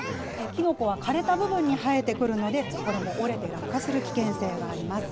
キノコは枯れた部分に生えてくるので、これも折れて落下する危険性があります。